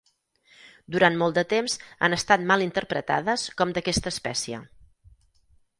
Durant molt de temps han estat mal interpretades com d'aquesta espècie.